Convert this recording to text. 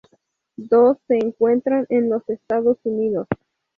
Dos se encuentran en los Estados Unidos.